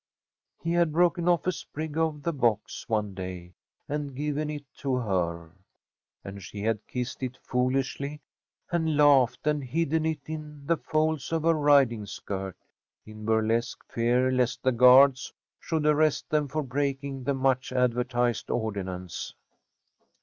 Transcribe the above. He had broken off a sprig of the box one day and given it to her, and she had kissed it foolishly, and laughed, and hidden it in the folds of her riding skirt, in burlesque fear lest the guards should arrest them for breaking the much advertised ordinance.